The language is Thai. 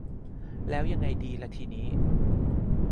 แล้วยังไงดีล่ะทีนี้